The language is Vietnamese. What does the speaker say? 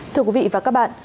thưa quý vị và các bạn